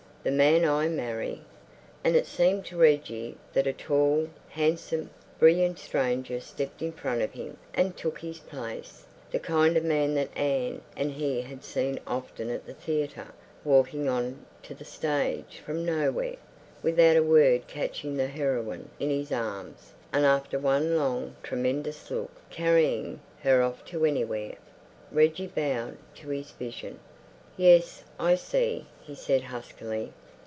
"The man I marry—" And it seemed to Reggie that a tall, handsome, brilliant stranger stepped in front of him and took his place—the kind of man that Anne and he had seen often at the theatre, walking on to the stage from nowhere, without a word catching the heroine in his arms, and after one long, tremendous look, carrying her off to anywhere.... Reggie bowed to his vision. "Yes, I see," he said huskily.